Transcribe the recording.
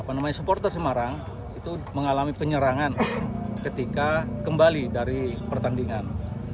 namanya supporter semarang itu mengalami penyerangan ketika kembali dari pertandingan